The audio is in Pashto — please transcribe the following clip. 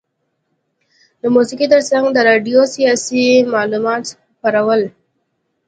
د موسیقي ترڅنګ راډیو سیاسي معلومات خپرول.